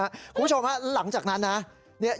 คุณผู้ชมฮะหลังจากนั้นนะ